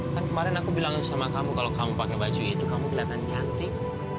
kan kemarin aku bilang sama kamu kalau kamu pakai baju itu kamu kelihatan cantik